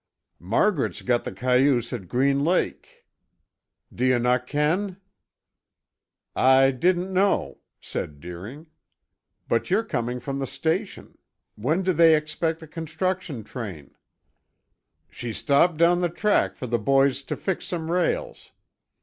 "Margaret's got the cayuse at Green Lake. D'ye no' ken?" "I didn't know," said Deering. "But you're coming from the station. When do they expect the construction train?" "She stopped doon the track for the boys to fix some rails.